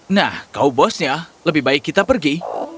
nah kau bosnya lebih baik kita pergi